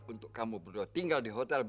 untuk kamu berdua tinggal di hotel